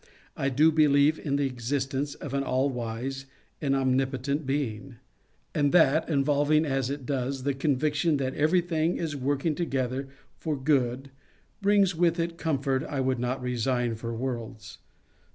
I do believe in the existence of an All wise and Omnipotent Being — and that, involving as it does the conviction that everything is working together for good, brings with it comfort I would not resign for worlds.